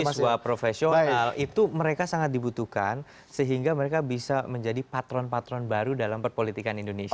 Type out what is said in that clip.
mahasiswa profesional itu mereka sangat dibutuhkan sehingga mereka bisa menjadi patron patron baru dalam perpolitikan indonesia